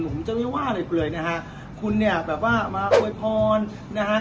ผมจะไม่ว่าอะไรเปลือยนะฮะคุณเนี่ยแบบว่ามาอวยพรนะฮะ